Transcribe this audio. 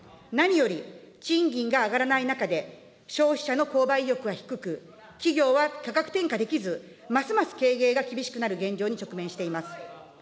何より、賃金が上がらない中で、消費者の購買意欲は低く、企業は価格転嫁できず、ますます経営が厳しくなる現状に直面しています。